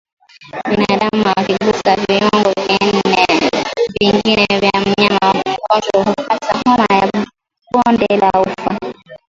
Binadamu akigusa viungo vingine vya mnyama mgonjwa hupata homa ya bonde la ufa